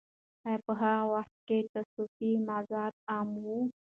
آیا په هغه وخت کې تصوفي موضوعات عام وو؟